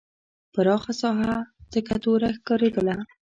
پراخه ساحه تکه توره ښکارېدله.